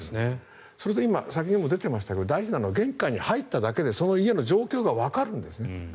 あとは先にも出ていましたが玄関に入っただけでその家の状況がわかるんですね。